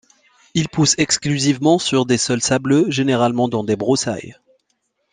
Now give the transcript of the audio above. Il pousse exclusivement sur des sols sableux, généralement dans des broussailles.